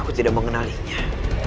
aku tidak mengenalinya